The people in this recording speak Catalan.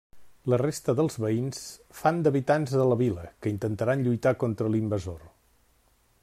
La resta dels veïns fan d'habitants de la vila, que intentaran lluitar contra l'invasor.